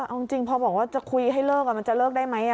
เอาจริงพอบอกว่าจะคุยให้เลิกมันจะเลิกได้ไหม